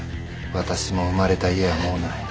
私も生まれた家はもうない。